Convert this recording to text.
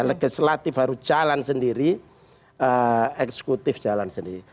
legislatif harus jalan sendiri eksekutif jalan sendiri